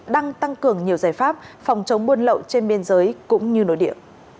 đang tăng cường nhiều giải pháp phòng chống buôn lậu trên biên giới cũng như nội địa